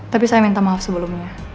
tapi saya minta maaf sebelumnya